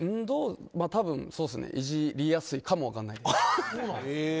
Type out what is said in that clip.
いじりやすいかも分からないです。